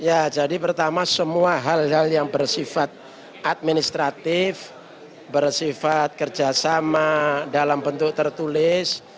ya jadi pertama semua hal hal yang bersifat administratif bersifat kerjasama dalam bentuk tertulis